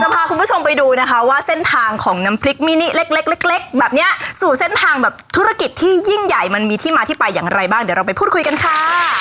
พาคุณผู้ชมไปดูนะคะว่าเส้นทางของน้ำพริกมินิเล็กเล็กแบบเนี้ยสู่เส้นทางแบบธุรกิจที่ยิ่งใหญ่มันมีที่มาที่ไปอย่างไรบ้างเดี๋ยวเราไปพูดคุยกันค่ะ